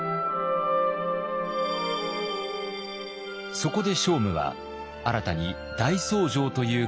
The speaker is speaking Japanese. そこで聖武は新たに大僧正という位を作ります。